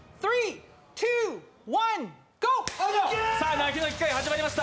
泣きの一回始まりました。